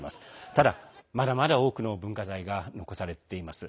ただ、まだまだ多くの文化財が残されています。